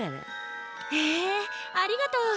へえありがとう。